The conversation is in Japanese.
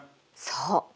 そう。